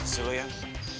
si lo yang